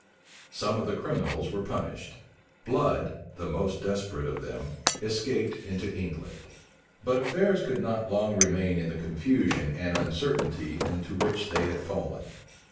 Some of the criminals were punished. Blood, the most desperate of them, escaped into England. But affairs could not long remain in the confusion and uncertainty into which they had fallen.